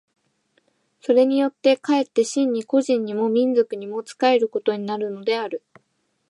それによって却って真に個人にも民族にも仕えることになるのである。